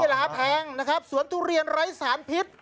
ราคาแพงนะครับสวนทุเรียนไร้สารพิษ